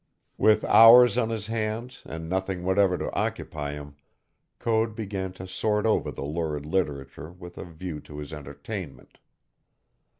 With hours on his hands and nothing whatever to occupy him, Code began to sort over the lurid literature with a view to his entertainment.